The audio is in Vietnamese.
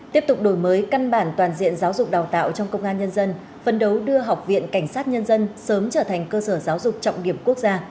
tiếp tục đổi mới căn bản toàn diện giáo dục đào tạo trong công an nhân dân phân đấu đưa học viện cảnh sát nhân dân sớm trở thành cơ sở giáo dục trọng điểm quốc gia